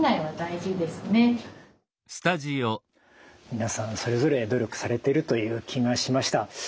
皆さんそれぞれ努力されてるという気がしました。